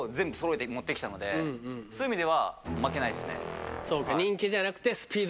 そういう意味では負けないっすね。